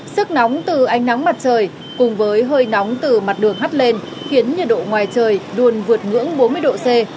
sức nóng từ ánh nắng mặt trời cùng với hơi nóng từ mặt đường hắt lên khiến nhiệt độ ngoài trời luôn vượt ngưỡng bốn mươi độ c